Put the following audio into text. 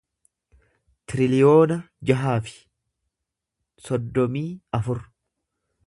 tiriliyoona jaha fi soddomii afur